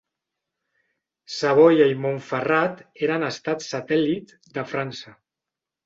Savoia i Montferrat eren estats satèl·lit de França.